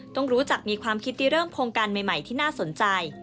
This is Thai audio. ต้องรู้จักมีความคิดที่เริ่มโครงการใหม่ที่น่าสนใจ